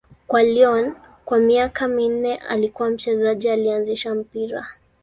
Kwa Lyon kwa miaka minne, alikuwa mchezaji aliyeanzisha mpira.